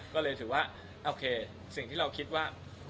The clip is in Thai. ก็เลยถือว่าโอเคสิ่งที่เราคิดว่า